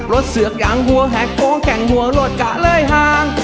รถเสือกอย่างหัวแหกโกแกงหัวรถกะเลยหาง